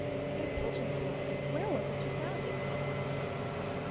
"A pigeon blood. Where was it you found it?"